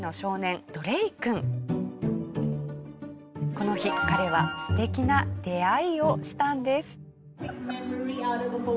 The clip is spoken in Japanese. この日彼は素敵な出会いをしたんです。